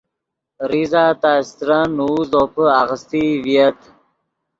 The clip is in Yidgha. زیزہ تا استرن نوؤ زوپے آغیستئی ڤییت